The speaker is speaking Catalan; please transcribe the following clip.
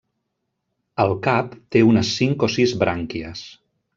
El cap té unes cinc o sis brànquies.